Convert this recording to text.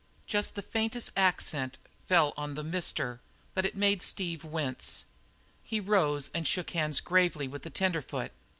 Just the faintest accent fell on the "Mr.," but it made Steve wince. He rose and shook hands gravely with the tenderfoot.